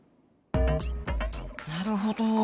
なるほど。